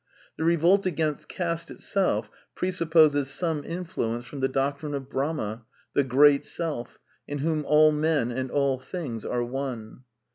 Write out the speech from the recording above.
The revolt against caste itself presupposes some influence from the doctrine of Brahma, the Great Self, in whom all men and all things are one.